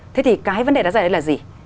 thế thì cái vấn đề đó là gì